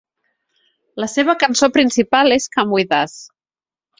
La seva cançó principal és "Come with Us".